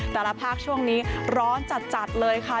แต่ละภาคช่วงนี้ร้อนจัดเลยค่ะ